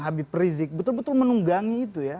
habib rizik betul betul menunggangi itu ya